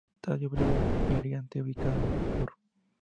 El Estadio Brígido Iriarte ubicado en la Urb.